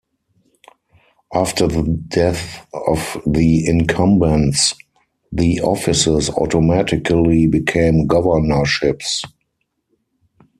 After the death of the incumbents, the offices automatically became governorships.